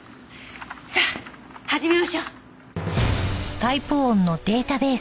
さあ始めましょう。